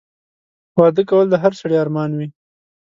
واده کول د هر سړي ارمان وي